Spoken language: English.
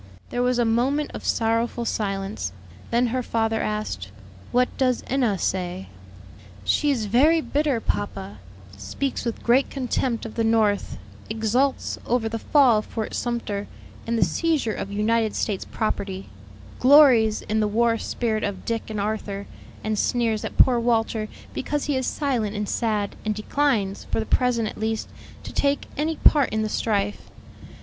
There was a moment of sorrowful silence. Then her father asked, "What does Enna say?" "She is very bitter, papa: speaks with great contempt of the North; exults over the fall of Fort Sumter and the seizure of United States property; glories in the war spirit of Dick and Arthur, and sneers at poor Walter because he is silent and sad, and declines, for the present at least, to take any part in the strife.